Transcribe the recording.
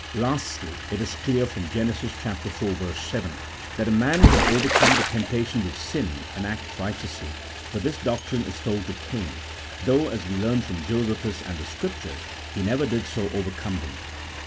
Lastly, it is clear from Gen. iv. 7 that a man can over come the temptations of sin, and act righteously ; for this doctrine is told to Cain, though, as we learn from Josephus and the Scriptures, he never did so overcome them.